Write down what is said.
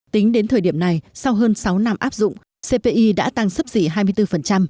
tính đến thời điểm này sau hơn sáu năm áp dụng cpi đã tăng sấp xỉ hai mươi bốn